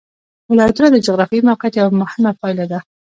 ولایتونه د جغرافیایي موقیعت یوه مهمه پایله ده.